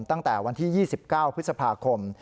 ตั้งแต่วันที่๒๙พฤษภาคม